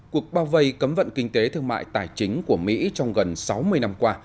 cuộc bao vây cấm vận kinh tế thương mại tài chính của mỹ trong gần sáu mươi năm qua